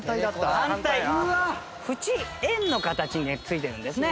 ふち円の形に付いてるんですね。